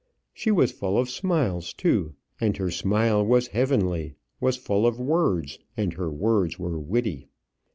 She was full of smiles too, and her smile was heavenly; was full of words, and her words were witty.